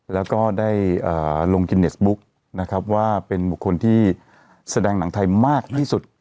แล้วก็ได้ลงกินเนสบุ๊กนะครับว่าเป็นบุคคลที่แสดงหนังไทยมากที่สุด